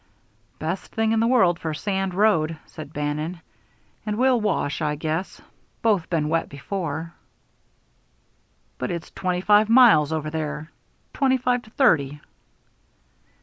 "Best thing in the world for a sand road," said Bannon. "And we'll wash, I guess. Both been wet before." "But it's twenty five miles over there twenty five to thirty."